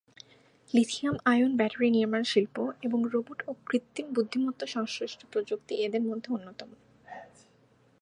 Lithium ion battery নির্মাণ শিল্প এবং রোবট ও কৃত্রিম বুদ্ধিমত্তা সংশ্লিষ্ট প্রযুক্তি এদের মধ্যে অন্যতম।